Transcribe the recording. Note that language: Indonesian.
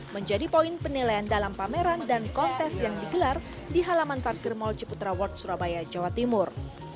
menjadi poin penilaian dalam pameran dan kontes yang digelar di halaman parkir mall ciputra world surabaya jawa timur